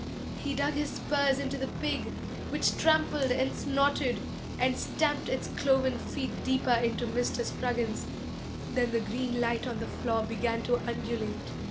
He dug his spurs into the pig, Which trampled and snorted, And stamped its cloven feet deeper into Mr. Spruggins. Then the green light on the floor began to undulate.